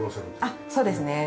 あっそうですね。